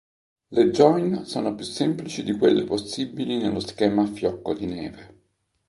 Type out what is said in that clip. Le join sono più semplici di quelle possibili nello schema a fiocco di neve.